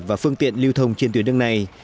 và phương tiện lưu thông trên tuyến đường này